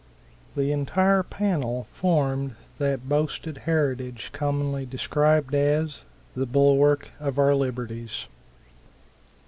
The entire panel formed that boasted heritage commonly described as the "bulwark of our liberties."